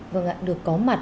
vâng ạ được có mặt